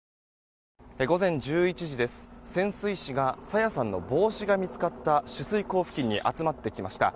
午前１１時、潜水士が朝芽さんの帽子が見つかった取水口付近に集まってきました。